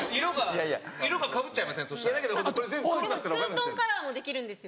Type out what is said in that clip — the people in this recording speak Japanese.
ツートンカラーもできるんですよ。